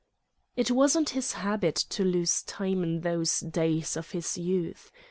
It wasn't his habit to lose time in those days of his youth.